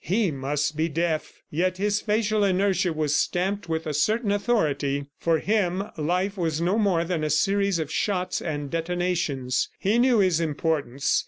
He must be deaf, yet his facial inertia was stamped with a certain authority. For him, life was no more than a series of shots and detonations. He knew his importance.